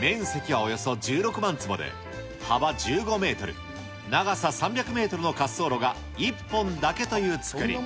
面積はおよそ１６万坪で、幅１５メートル、長さ３００メートルの滑走路が１本だけという作り。